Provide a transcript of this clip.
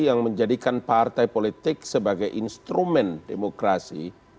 yang menjadikan partai politik sebagai instrumen demokrasi